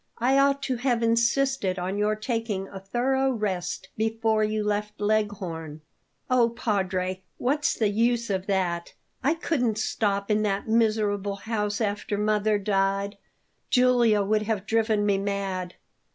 I ought to have insisted on your taking a thorough rest before you left Leghorn." "Oh, Padre, what's the use of that? I couldn't stop in that miserable house after mother died. Julia would have driven me mad!"